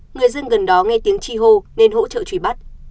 người dân gần đó nghe tiếng chi hô nên hỗ trợ truy bắt